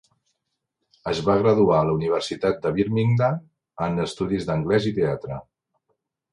Es va graduar a la Universitat de Birmingham en Estudis d'anglès i teatre.